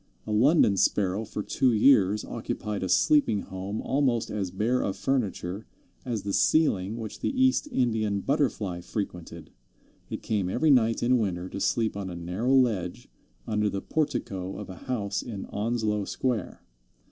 A London Sparrow for two years occupied a sleeping home almost as bare of furniture as the ceiling which the East Indian Butterfly frequented. It came every night in winter to sleep on a narrow ledge under the portico of a house in Onslow Square.